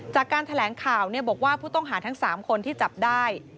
จากการแถลงข่าวบอกว่าผู้ต้องหาทั้ง๓คนที่จับได้